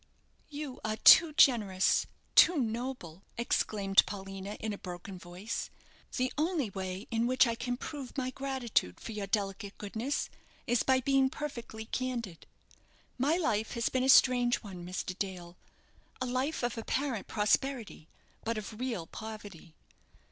"You are too generous, too noble," exclaimed Paulina, in a broken voice. "The only way in which I can prove my gratitude for your delicate goodness is by being perfectly candid. My life has been a strange one, Mr. Dale a life of apparent prosperity, but of real poverty.